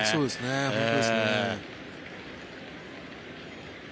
本当ですよね。